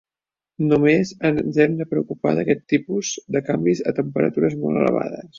Només ens hem de preocupar d'aquests tipus de canvis a temperatures molt elevades.